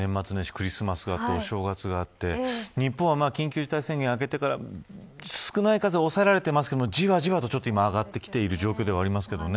クリスマスお正月があって日本は緊急事態宣言明けてから少ない数で抑えられてますけどじわじわと今、上がってきている状況ですけれどね。